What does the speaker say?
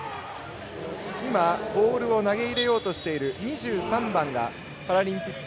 ボールを投げ入れようとしている２３番がパラリンピック